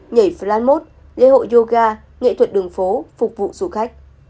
kỳ flan mode lễ hội yoga nghệ thuật đường phố phục vụ du khách